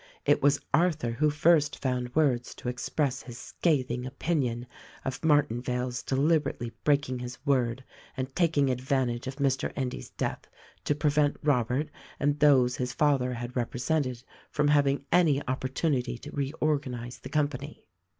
It was Arthur who first found words to express his scathing opinion of Martinvale's deliberately breaking his word and taking advantage of Mr. Endy's death to prevent Robert and those his father had represented from having any oppor tunity to reorganize the company.